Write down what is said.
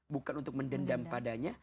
bukan untuk mendendam padanya